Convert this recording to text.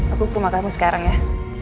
aku ke rumah kamu sekarang ya